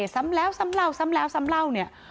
ซ้ำแล้วซ้ำเล่าซ้ำแล้วซ้ำเล่าเนี่ย